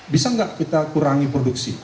bisa nggak kita kurangi produksi